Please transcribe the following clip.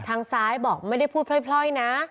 ทางซ้ายบอกไม่ได้พูดพร่อยนะ